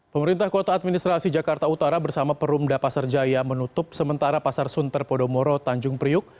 pemerintah kota administrasi jakarta utara bersama perumda pasar jaya menutup sementara pasar sunter podomoro tanjung priuk